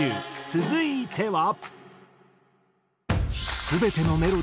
続いては。